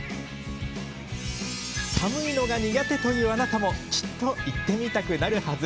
寒いのが苦手というあなたもきっと行ってみたくなるはず。